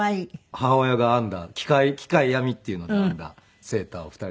母親が編んだ機械編みっていうので編んだセーターを２人で着ていますね。